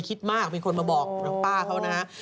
คิดมากเป็นคนมาบอกป้าเขานะฮะ